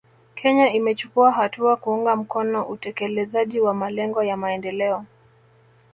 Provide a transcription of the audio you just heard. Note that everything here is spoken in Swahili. Kenya imechukua hatua kuunga mkono utekelezaji wa malengo ya maendeleo